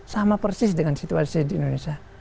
sama persis dengan situasi di indonesia